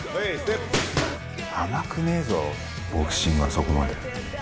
甘くねえぞボクシングはそこまで。